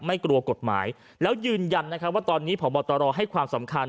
กลัวกฎหมายแล้วยืนยันนะครับว่าตอนนี้พบตรให้ความสำคัญ